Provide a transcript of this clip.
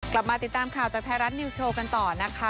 กลับมาติดตามข่าวจากไทรัตนียวโซ์กันต่อกันนะคะ